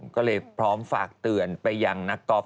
ก็เลยพร้อมฝากเตือนไปยังนักกอล์ฟ